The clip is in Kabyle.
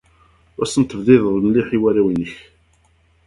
Ur asen-tebdideḍ mliḥ i warraw-nnek.